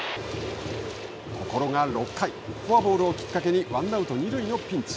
ところが６回フォアボールをきっかけにワンアウト、二塁のピンチ。